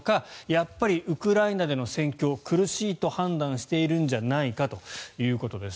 やっぱりウクライナでの戦況が苦しいと判断しているんじゃないかということです。